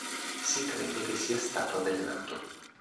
Si crede che sia stato avvelenato.